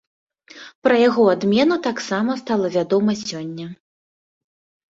Пра яго адмену таксама стала вядома сёння.